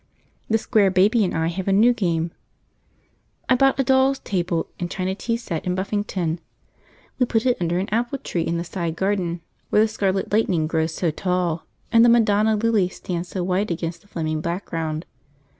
The Square Baby and I have a new game. I bought a doll's table and china tea set in Buffington. We put it under an apple tree in the side garden, where the scarlet lightning grows so tall and the Madonna lilies stand so white against the flaming background.